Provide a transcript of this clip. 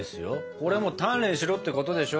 これはもう鍛錬しろってことでしょ？